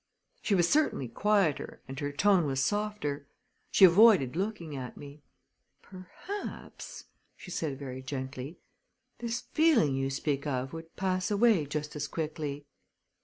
She was certainly quieter and her tone was softer. She avoided looking at me. "Perhaps," she said very gently, "this feeling you speak of would pass away just as quickly."